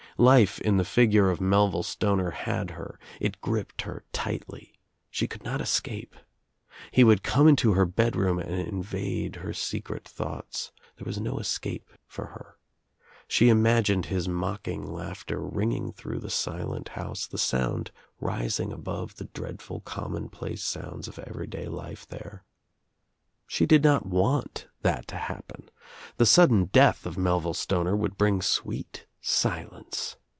Life in the figure of ] Melville Stoner had her, it gripped her tightly. She ' could not escape. He would come into her bedroom I and invade her secret thoughts. There was no escape | for her. She imagined his mocking laughter ringing I through the silent house, the sound rising above the dreadful commonplace sounds of everyday life there. She did not want that to happen. The sudden death of Melville Stoner would bring sweet silence.